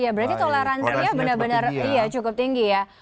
iya berarti toleransinya benar benar cukup tinggi ya